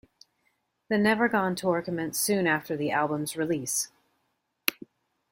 The Never Gone Tour commenced soon after the album's release.